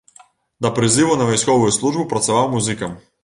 Да прызыву на вайсковую службу працаваў музыкам.